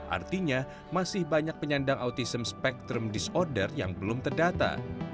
artinya masih banyak penyandang autism spektrum disorder yang belum terdata